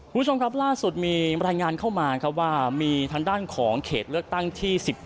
คุณผู้ชมครับล่าสุดมีรายงานเข้ามาครับว่ามีทางด้านของเขตเลือกตั้งที่๑๗